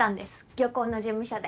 漁港の事務所で。